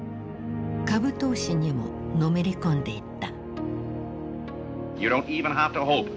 株投資にものめり込んでいった。